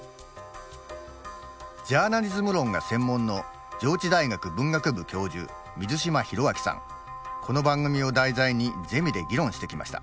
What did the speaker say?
ジャーナリズム論が専門のこの番組を題材にゼミで議論してきました。